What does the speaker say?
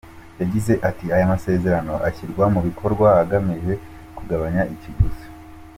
Yagize ati ““Aya masezerano ashyirwa mu bikorwa, agamije kugabanya ikiguzi.